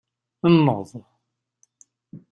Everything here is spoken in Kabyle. Nneḍ.